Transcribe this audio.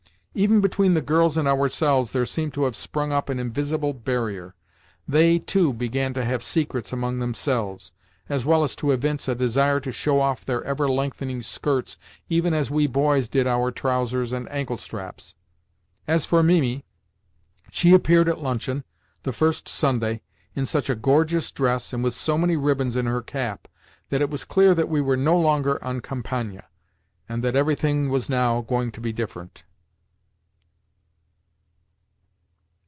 Even between the girls and ourselves there seemed to have sprung up an invisible barrier. They, too, began to have secrets among themselves, as well as to evince a desire to show off their ever lengthening skirts even as we boys did our trousers and ankle straps. As for Mimi, she appeared at luncheon, the first Sunday, in such a gorgeous dress and with so many ribbons in her cap that it was clear that we were no longer en campagne, and that everything was now going to be different.